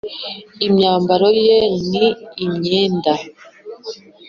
imyambaro ye ni imyenda y